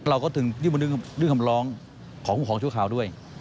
เราก็ถึงยื่นบนดึงคำร้องของครูของชั่วคราวด้วย